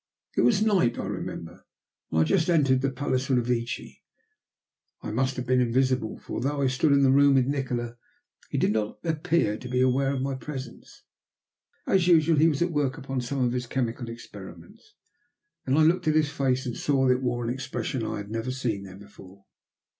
It was night, I remember, and I had just entered the Palace Revecce. I must have been invisible, for, though I stood in the room with Nikola, he did not appear to be aware of my presence. As usual he was at work upon some of his chemical experiments. Then I looked at his face, and saw that it wore an expression that I had never seen there before.